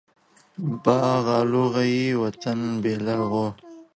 باغ الو غيي ،وطن بيلرغو.